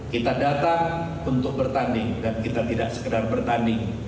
kita datang untuk bertanding dan kita tidak sekedar bertanding